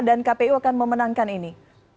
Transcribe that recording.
dan kpu akan memenangkan ini